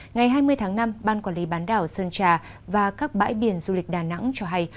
ngày hai mươi tháng năm ban quản lý bán đảo sơn trà và các bãi biển du lịch đà nẵng cho hay